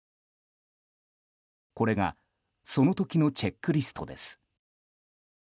これがその時のチェックリストです。